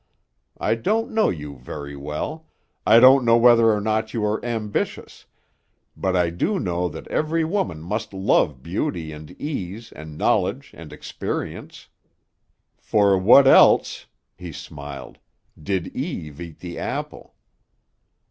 I don't know you very well; I don't know whether or not you are ambitious; but I do know that every woman must love beauty and ease and knowledge and experience. For what else," he smiled, "did Eve eat the apple?